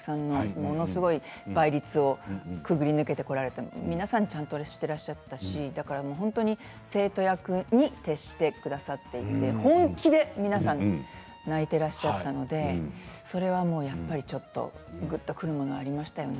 ものすごい倍率をくぐり抜けてこられたので皆さんちゃんとしていらっしゃったし本当に生徒役に徹してくださっていて本気で皆さん泣いていらっしゃったのでそれはやっぱりちょっとぐっとくるものがありましたよね。